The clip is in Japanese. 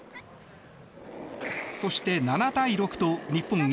そして７対６と日本